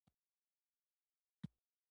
لاندې د سيند اوبه له لويو ډبرو سره لګېدلې،